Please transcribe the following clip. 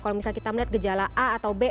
kalau misalnya kita melihat gejala a atau b